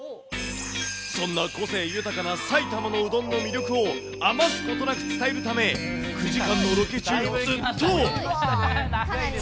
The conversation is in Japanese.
そんな個性豊かな埼玉のうどんの魅力を余すことなく伝えるため、９時間のロケ中ずっと。